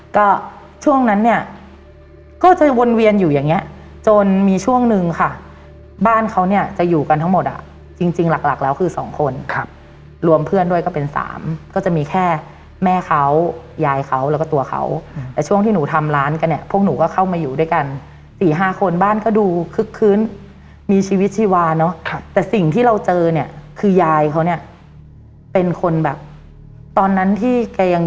ก็ช่วงนั้นเนี่ยก็จะวนเวียนอยู่อย่างเงี้ยจนมีช่วงนึงค่ะบ้านเขาเนี่ยจะอยู่กันทั้งหมดอ่ะจริงจริงหลักหลักแล้วคือสองคนครับรวมเพื่อนด้วยก็เป็นสามก็จะมีแค่แม่เขายายเขาแล้วก็ตัวเขาแต่ช่วงที่หนูทำร้านกันเนี่ยพวกหนูก็เข้ามาอยู่ด้วยกันสี่ห้าคนบ้านก็ดูคึกคืนมีชีวิตชีวาเนอะแต่สิ่งที่เราเจอเนี่ยคือยายเขาเนี่ยเป็นคนแบบตอนนั้นที่แกยัง